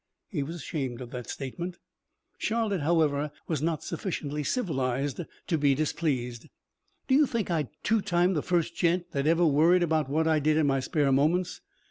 He was ashamed of that statement. Charlotte, however, was not sufficiently civilized to be displeased. "Do you think I'd two time the first gent that ever worried about what I did in my spare moments?